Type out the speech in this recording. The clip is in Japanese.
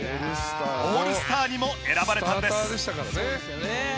オールスターにも選ばれたんです。